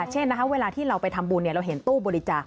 เช่นเวลาที่เราไปทำบุญเราเห็นตู้บริจาค